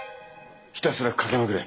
ひたすらかけまくれ！